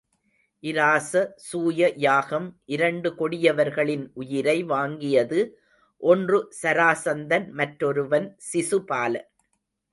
இராச சூய யாகம் இரண்டு கொடியவர்களின் உயிரை வாங்கியது ஒன்று சராசந்தன் மற்றொருவன் சிசுபாலன்.